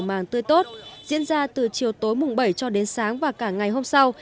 màng tươi tốt diễn ra từ chiều tối mùng bảy cho đến sáng và cả ngày hôm sau